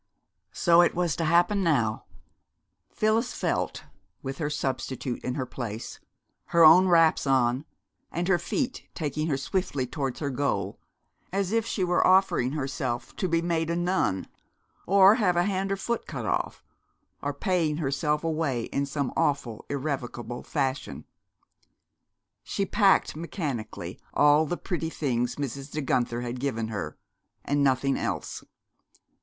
So it was to happen now! Phyllis felt, with her substitute in her place, her own wraps on, and her feet taking her swiftly towards her goal, as if she were offering herself to be made a nun, or have a hand or foot cut off, or paying herself away in some awful, irrevocable fashion. She packed, mechanically, all the pretty things Mrs. De Guenther had given her, and nothing else.